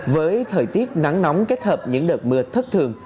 với thời tiết nắng nóng kết hợp những đợt mưa thất thường